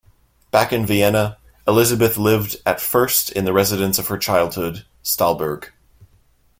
Back in Vienna, Elisabeth lived at first in the residence of her childhood, Stallburg.